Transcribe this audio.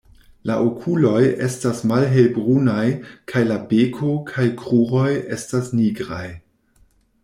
La okuloj estas malhelbrunaj kaj la beko kaj kruroj estas nigraj.